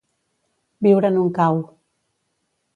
Viure en un cau.